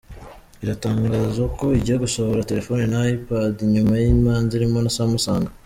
iratangazo ko igiye gusohora telefoni na iPadi nyuma y’imanza irimo na Samusanga